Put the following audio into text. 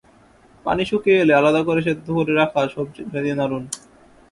পানি শুকিয়ে এলে আলাদা করে সেদ্ধ করে রাখা সবজি ঢেলে দিয়ে নাড়ুন।